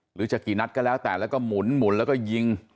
หรือจะกี่นัดก็แล้วแต่แล้วก็หมุนแล้วก็ยิง